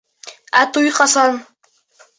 Ә туй ҡасан?